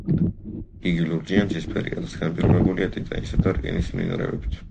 იგი ლურჯი ან ცისფერია, რაც განპირობებულია ტიტანისა და რკინის მინარევებით.